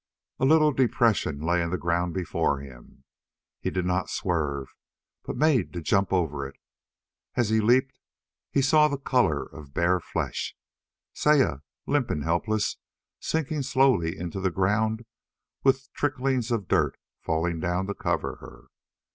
A little depression lay in the ground before him. He did not swerve, but made to jump over it. As he leaped he saw the color of bare flesh, Saya, limp and helpless, sinking slowly into the ground with tricklings of dirt falling down to cover her.